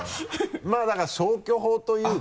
まぁだから消去法というか。